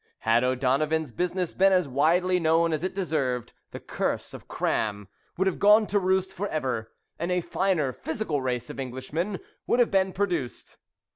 Had O'Donovan's business been as widely known as it deserved, the curse of cram would have gone to roost for ever, and a finer physical race of Englishmen would have been produced.